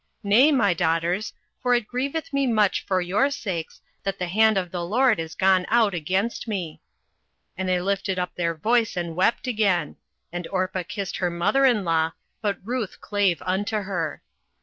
nay, my daughters; for it grieveth me much for your sakes that the hand of the LORD is gone out against me. 08:001:014 And they lifted up their voice, and wept again: and Orpah kissed her mother in law; but Ruth clave unto her.